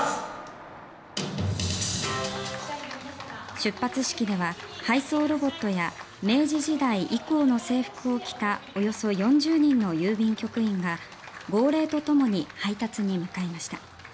出発式では配送ロボットや明治時代以降の制服を着たおよそ４０人の郵便局員が号令とともに配達に向かいました。